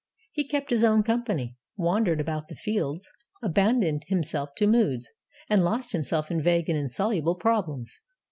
He kept his own company, wandered about the fields, abandoned himself to moods, and lost himself in vague and insoluble problems.